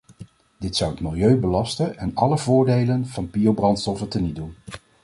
Dit zou het milieu belasten en alle voordelen van biobrandstoffen teniet doen.